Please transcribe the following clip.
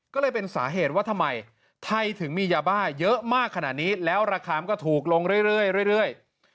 ก็เลยเป็นสาเหตุว่าทำไมไทยถึงมียาบ้าเยอะมากขนาดนี้แล้วราคามันก็ถูกลงเรื่อย